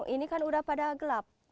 ini kan udah pada gelap